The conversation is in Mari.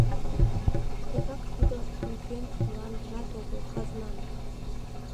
Тегак тудо нигӧн мландыжат огыл, казнан.